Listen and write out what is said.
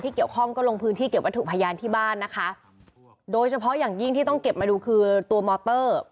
เกี่ยวข้องก็ลงพื้นที่เก็บวัตถุพยานที่บ้านนะคะโดยเฉพาะอย่างยิ่งที่ต้องเก็บมาดูคือตัวมอเตอร์